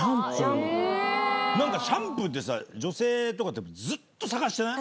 何かシャンプーってさ女性とかってずっと探してない？